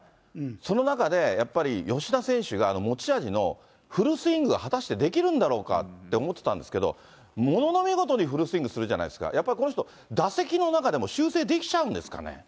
その中で、やっぱり吉田選手が持ち味のフルスイングが果たしてできるんだろうかって思ってたんですけれども、ものの見事にフルスイングするじゃないですか、やっぱりこの人、打席の中でも修正できちゃうんですかね。